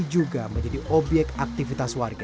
membuat pelanggan tersebut menjadi obyek aktivitas warga